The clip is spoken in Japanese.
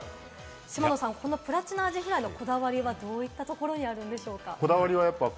嶌野さん、プラチナアジフライのこだわりはどういったところにあるのでしょうか？